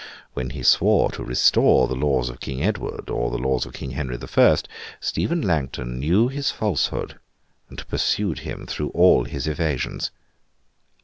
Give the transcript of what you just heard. When he swore to restore the laws of King Edward, or the laws of King Henry the First, Stephen Langton knew his falsehood, and pursued him through all his evasions.